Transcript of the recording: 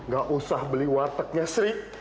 gak usah beli wartegnya sering